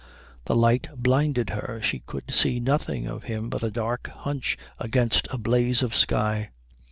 The light blinded her. She could see nothing of him but a dark hunch against a blaze of sky.